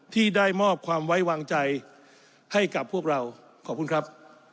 ที่ได้มอบความไว้วางใจให้กับพวกเราขอบคุณครับ